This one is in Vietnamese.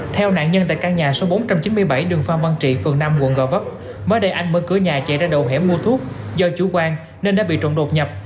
theo nạn nhân tại căn nhà số bốn trăm chín mươi bảy đường phan văn trị phường năm quận gò vấp mới đây anh mở cửa nhà chạy ra đầu hẻm mua thuốc do chủ quan nên đã bị trộm đột nhập